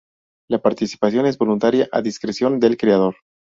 La participación es voluntaria, a discreción del creador.